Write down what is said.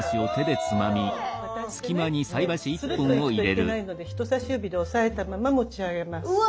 でスルッといくといけないので人さし指で押さえたまま持ち上げます。